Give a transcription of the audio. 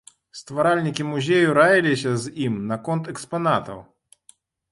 Стваральнікі музею раіліся з ім наконт экспанатаў.